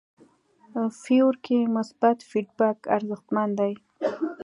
فیور کې مثبت فیډبک ارزښتمن دی.